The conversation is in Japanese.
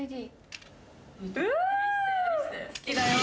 好きだよ。